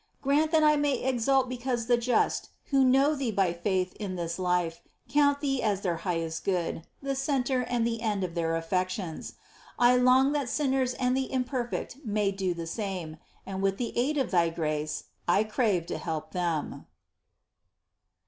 Grant that I may exult because the just, who know Thee by faith in this life, count Thee as their highest good, the centre and the end of their añections. I long that sinners and the imperfect may do the same, and with the aid of Thy grace I crave to help. them.